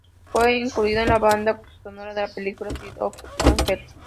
Fue incluida en la banda sonora de la película "City of Angels".